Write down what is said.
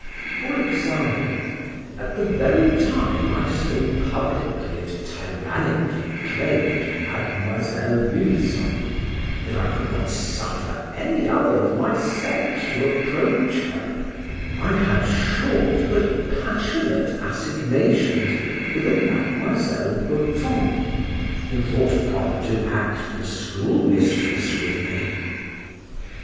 For example, at the very time I so publically and tyrannically claimed Miss Vulson, that I could not suffer any other of my sex to approach her, I had short, but passionate, assignations with a Miss Goton, who thought proper to act the schoolmistress with me.